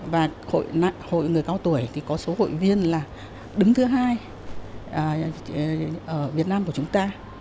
và hội người cao tuổi thì có số hội viên là đứng thứ hai ở việt nam của chúng ta